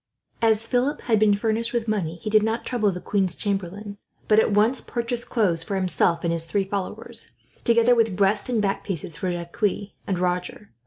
As Philip had been furnished with money, he did not trouble the queen's chamberlain, but at once purchased clothes for himself and his three followers, together with breast and back piece for Jacques and Roger.